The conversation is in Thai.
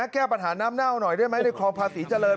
แก้ปัญหาน้ำเน่าหน่อยได้ไหมในคลองภาษีเจริญ